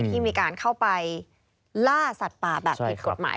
ที่มีการเข้าไปล่าสัตว์ป่าแบบผิดกฎหมาย